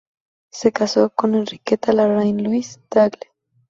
Se casó con Enriqueta Larraín Ruiz-Tagle.